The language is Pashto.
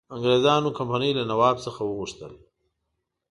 انګرېزانو کمپنی له نواب څخه وغوښتل.